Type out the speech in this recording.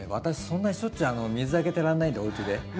そんなにしょっちゅう水あげてらんないんでおうちで。